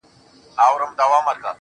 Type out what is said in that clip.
بيا مي د زړه د خنداگانو انگازې خپرې سوې.